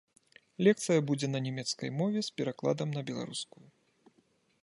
Лекцыя будзе на нямецкай мове з перакладам на беларускую.